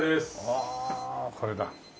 ああこれだ。